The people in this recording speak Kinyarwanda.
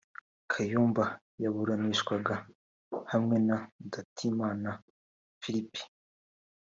Kayumba yaburanishwaga hamwe na Ndatimana Philippe